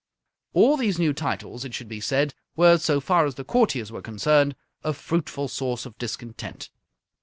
All these new titles, it should be said, were, so far as the courtiers were concerned, a fruitful source of discontent.